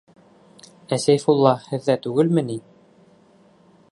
Ә Сәйфулла һеҙҙә түгелме ни?